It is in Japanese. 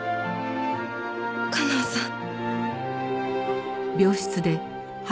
夏音さん。